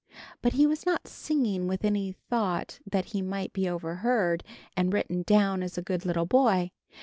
But he was not singing with any thought that he might be overheard and written down as a good little boy.